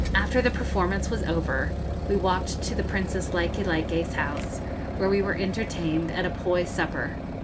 After the performance was over, we walked to the Princess Likelike's house, where we were entertained at a poi supper.